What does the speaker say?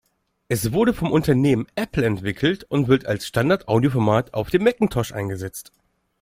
Es wurde vom Unternehmen Apple entwickelt und wird als Standard-Audioformat auf dem Macintosh eingesetzt.